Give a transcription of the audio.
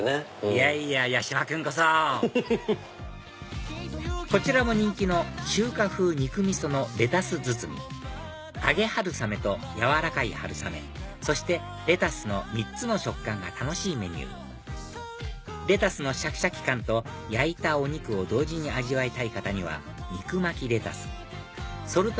いやいや八嶋君こそこちらも人気の中華風肉味噌のレタス包み揚げ春雨と軟らかい春雨そしてレタスの３つの食感が楽しいメニューレタスのシャキシャキ感と焼いたお肉を同時に味わいたい方には肉巻きレタスソルト